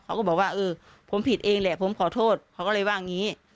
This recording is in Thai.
เขาก็บอกว่าเออผมผิดเองแหละผมขอโทษเขาก็เลยว่าอย่างนี้